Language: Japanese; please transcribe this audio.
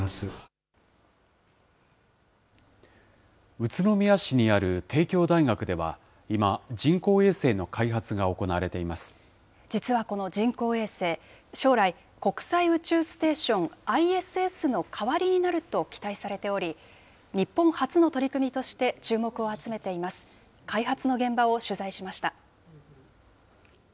宇都宮市にある帝京大学では、今、実はこの人工衛星、将来、国際宇宙ステーションＩＳＳの代わりになると期待されており、日本初の取り組みとして、注目を集めています。